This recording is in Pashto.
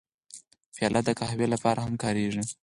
پیاله د قهوې لپاره هم کارېږي.